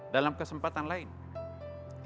dalam kesempatan lainnya